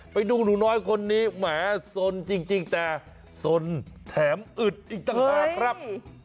ไปดูหนูน้อยคนนี้แหมสนจริงแต่สนแถมอึดอีกต่างหากครับ